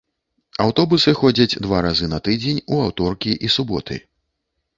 Аўтобусы ходзяць два разы на тыдзень, у аўторкі і суботы.